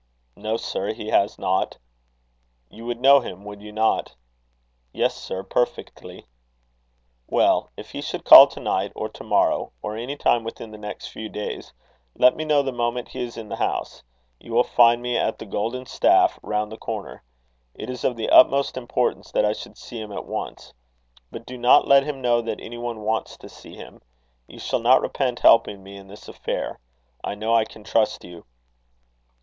"No, sir, he has not." "You would know him, would you not?" "Yes, sir; perfectly." "Well, if he should call to night, or to morrow, or any time within the next few days, let me know the moment he is in the house. You will find me at the Golden Staff, round the corner. It is of the utmost importance that I should see him at once. But do not let him know that any one wants to see him. You shall not repent helping me in this affair. I know I can trust you."